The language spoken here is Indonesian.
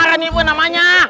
berbakaran itu namanya